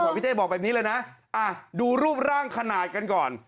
พี่เต้บอกแบบนี้เลยนะดูรูปร่างขนาดกันก่อน